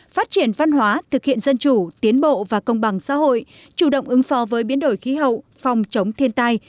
phát triển văn hóa thực hiện dân chủ tiến bộ và công bằng xã hội chủ động ứng phó với biến đổi khí hậu phòng chống thiên tai